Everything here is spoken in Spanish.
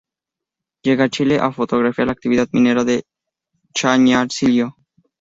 Llega a Chile a fotografiar la actividad minera de Chañarcillo.